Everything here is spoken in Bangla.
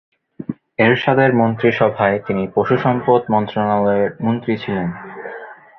এরশাদের মন্ত্রিসভায় তিনি পশু সম্পদ মন্ত্রণালয়ের মন্ত্রী ছিলেন।